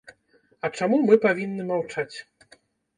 А чаму мы павінны маўчаць?